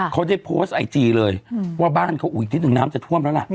เขาได้โพสต์ไอจีเลยว่าบ้านเขาอีกนิดนึงน้ำจะท่วมแล้วล่ะ